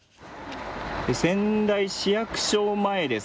仙台市役所前です。